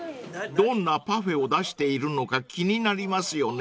［どんなパフェを出しているのか気になりますよね］